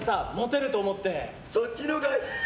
そっちのほうがいいよ。